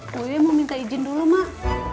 buya mau minta izin dulu mak